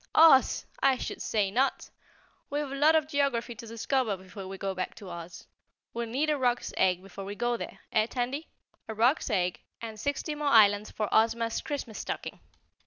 "OZ, I should say not! We've a lot of geography to discover before we go back to Oz. We'll need a roc's egg before we go there, eh, Tandy? A roc's egg and sixty more islands for Ozma's Christmas stocking."